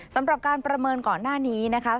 สำหรับการประเมินก่อนหน้านี้นะคะ